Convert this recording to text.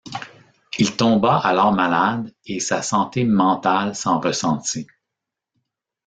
Il tomba alors malade et sa santé mentale s’en ressentit.